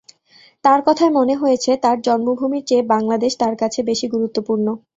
তাঁর কথায় মনে হয়েছে, তাঁর জন্মভূমির চেয়ে বাংলাদেশ তাঁর কাছে বেশি গুরুত্বপূর্ণ।